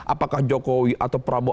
apakah jokowi atau prabowo